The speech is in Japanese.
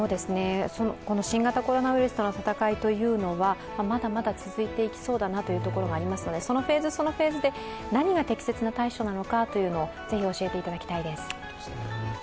この新型コロナウイルスとの戦いというのはまだまだ続いていきそうだなというところがありますので、そのフェーズ、そのフェーズで、何が適切な対処なのかというのをぜひ教えていただきたいです。